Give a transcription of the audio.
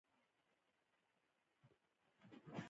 د بس حرکت باید د مهال ویش مطابق وي.